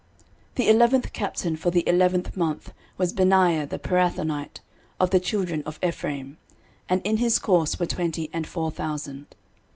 13:027:014 The eleventh captain for the eleventh month was Benaiah the Pirathonite, of the children of Ephraim: and in his course were twenty and four thousand.